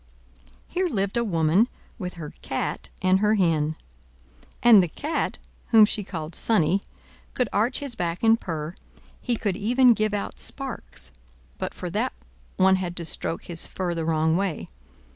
Here lived a woman, with her Cat and her Hen. And the Cat, whom she called Sonnie, could arch his back and purr, he could even give out sparks; but for that one had to stroke his fur the wrong way.